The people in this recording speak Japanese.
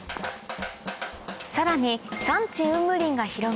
さらに山地雲霧林が広がる